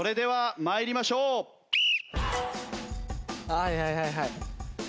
はいはいはいはい。